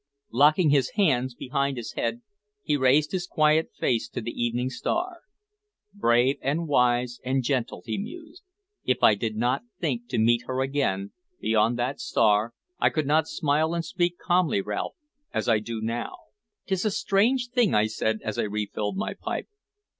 Locking his hands behind his head, he raised his quiet face to the evening star. "Brave and wise and gentle," he mused. "If I did not think to meet her again, beyond that star, I could not smile and speak calmly, Ralph, as I do now." "'T is a strange thing," I said, as I refilled my pipe.